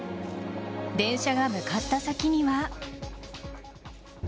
電車が向かった先には。